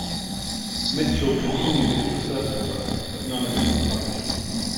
Michell continued his research work but none of it was published.